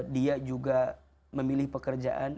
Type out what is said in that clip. dia juga memilih pekerjaan